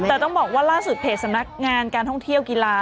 แต่ต้องบอกว่าล่าสุดเพจสำนักงานการท่องเที่ยวกีฬา